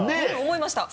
思いました。